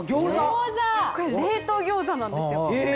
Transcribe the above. これ冷凍ギョーザなんですよ。